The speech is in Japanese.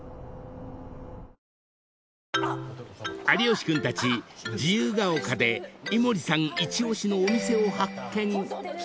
［有吉君たち自由が丘で井森さん一押しのお店を発見］